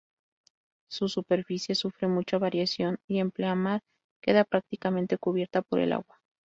Su superficie sufre mucha variación y en pleamar queda prácticamente cubierta por el agua.